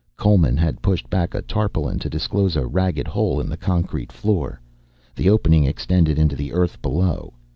Coleman had pushed back a tarpaulin to disclose a ragged hole in the concrete floor, the opening extended into the earth below.